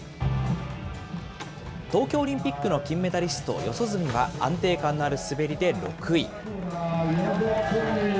東京オリンピックの金メダリスト、四十住は安定感のある滑りで６位。